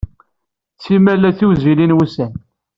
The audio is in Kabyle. Simal la ttiwzilen wussan.